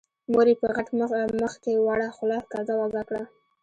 مور يې په غټ مخ کې وړه خوله کږه وږه کړه.